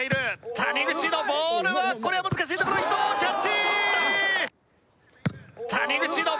谷口のボールはこれは難しいところ伊藤キャッチ！